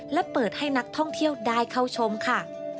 และเปิดให้นักท่องเที่ยวได้เข้าชมค่ะ